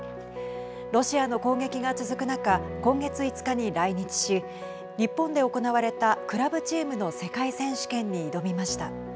ロシアの攻撃が続く中今月５日に来日し日本で行われたクラブチームの世界選手権に挑みました。